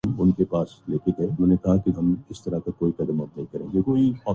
انحصار کو کم کرنے کے لیے